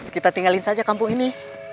kita tinggalin saja kampung ini